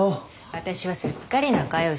私はすっかり仲良しよ。